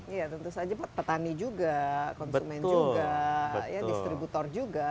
iya tentu saja pak petani juga konsumen juga distributor juga